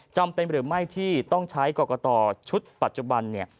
จำเป็นหรือไม่ที่ต้องใช้กรกตชุดปัจจุบันเนี่ย